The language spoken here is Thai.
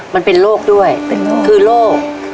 มันเป็นโรคด้วยคือโรค